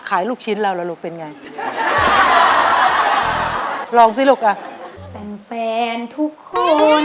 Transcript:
การต่อฉันอยู่ด้านนี้ก็ช่วยเข้าก่อน